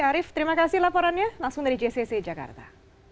arief terima kasih laporannya langsung dari jcc jakarta